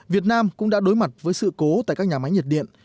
việt nam cũng đã đối mặt với sự cố tại các nhà máy nhiệt điện